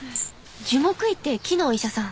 樹木医って木のお医者さん。